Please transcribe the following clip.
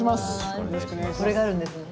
これがあるんですね。